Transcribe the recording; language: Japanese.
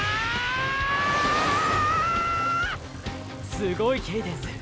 すごいケイデンス。